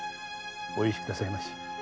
お許しくださいまし。